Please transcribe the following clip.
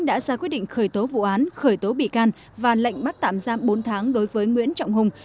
đã ra quyết định khởi tố vụ án khởi tố bị can và lệnh bắt tạm giam bốn tháng đối với nguyễn trọng hùng